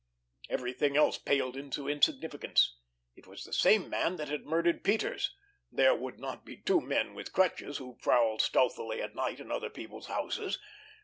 Everything else paled into insignificance. It was the same man that had murdered Peters; there would not be two men with crutches who prowled stealthily at night in other people's houses!